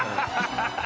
ハハハハ！